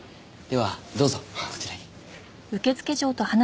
ではどうぞこちらに。